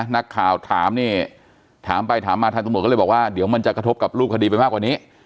นักข่าวถามเนี่ยถามไปถามมาทางตำรวจก็เลยบอกว่าเดี๋ยวมันจะกระทบกับรูปคดีไปมากกว่านี้